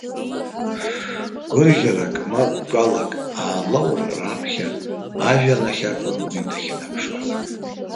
Гәырӷьарак ма гәалак аалоур, раԥхьа ажәҩан ахь акәын уи дахьынаԥшуаз.